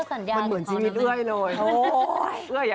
สูงมือเลย